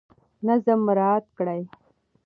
نظم مراعات کړئ.